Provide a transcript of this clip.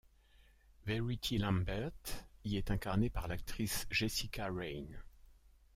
Verity Lambert y est incarnée par l'actrice Jessica Raine.